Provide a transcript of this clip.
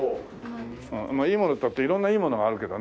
まあいいものっていったって色んないいものがあるけどね。